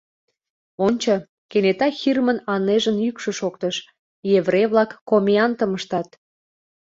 — Ончо, — кенета Хирмын Анэжын йӱкшӧ шоктыш, — еврей-влак комеянтым ыштат!